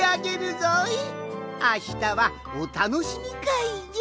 あしたはおたのしみかいじゃ。